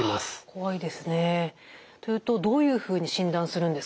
怖いですね。というとどういうふうに診断するんですか？